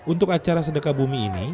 untuk acara sedekah bumi ini